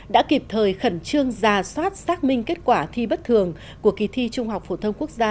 đã kịp thời khẩn trương ra soát xác minh kết quả thi bất thường của kỳ thi trung học phổ thông quốc gia